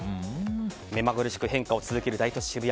目まぐるしく変化を続ける大都市、渋谷。